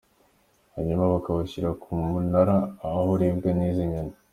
Hanyuma bakawushyira ku munara aho uribwa nizi nyoni.